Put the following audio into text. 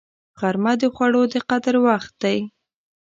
غرمه د خوړو د قدر وخت دی